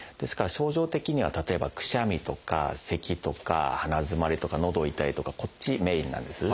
症状的には例えばくしゃみとかせきとか鼻づまりとかのど痛いとかこっちメインなんです。